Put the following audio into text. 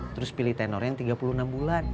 terus pilih tenor yang tiga puluh enam bulan